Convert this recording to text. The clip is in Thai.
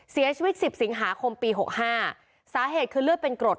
เสียชีวิต๑๐สิงหาคมปีหกห้าสาเหตุคือเลือดเป็นกรด